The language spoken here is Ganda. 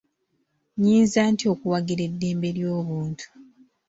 Nnyinza ntya okuwagira eddembe ly'obuntu?